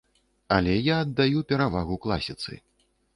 Але я аддаю перавагу класіцы.